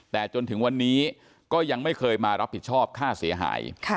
แต่จนถึงวันนี้ก็ยังไม่เคยมารับผิดชอบค่าเสียหาย